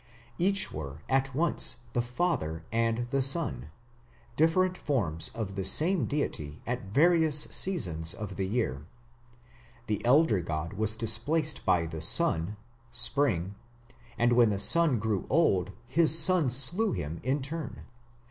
Each were at once the father and the son, different forms of the same deity at various seasons of the year. The elder god was displaced by the son (spring), and when the son grew old his son slew him in turn.